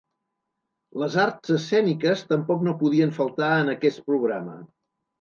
Les arts escèniques tampoc no podien faltar en aquest programa.